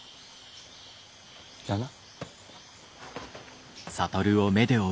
じゃあな。